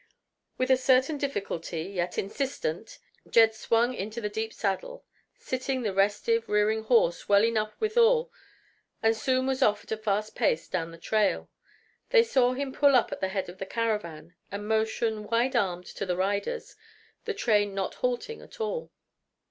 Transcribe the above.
With a certain difficulty, yet insistent, Jed swung into the deep saddle, sitting the restive, rearing horse well enough withal, and soon was off at a fast pace down the trail. They saw him pull up at the head of the caravan and motion, wide armed, to the riders, the train not halting at all.